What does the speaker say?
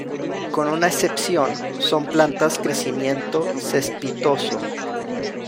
Con una excepción, son plantas crecimiento cespitoso.